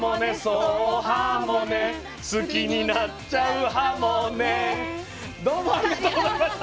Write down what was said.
そうはもねすきになっちゃうはもねどうもありがとうございました。